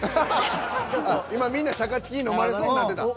今みんなシャカチキに飲まれそうになってた。